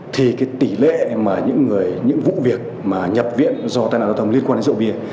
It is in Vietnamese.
thì tỷ lệ những vụ việc nhập viện do tai nạn giao thông liên quan đến rượu bia